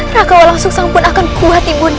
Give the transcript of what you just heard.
raka walangsungsang pun akan kuat ibu nda